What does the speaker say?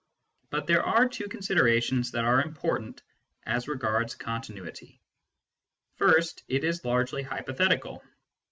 But there are two considerations that are important as regards continuity. First, it is largely hypothetical.